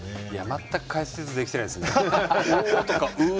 全く解説できてないですもん。